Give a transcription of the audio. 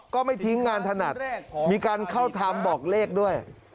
ก็ไม่ทิ้งงานถนัดมีการเข้าทำบอกเลขด้วย